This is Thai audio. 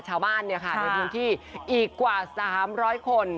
ชาวบ้านเนี่ยค่ะในพื้นที่อีกกว่า๓๐๐คน